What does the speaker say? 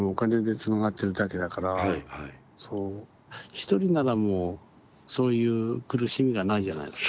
独りならもうそういう苦しみがないじゃないですか。